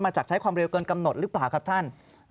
จากใช้ความเร็วเกินกำหนดหรือเปล่าครับท่าน